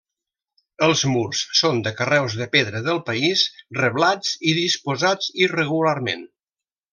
Els murs són de carreus de pedra del país, reblats i disposats irregularment.